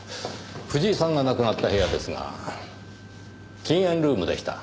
藤井さんが亡くなった部屋ですが禁煙ルームでした。